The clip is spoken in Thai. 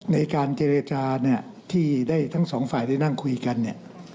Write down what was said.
ในการเจรจาเนี่ยที่ได้ทั้งสองฝ่ายได้นั่งคุยกันเนี่ย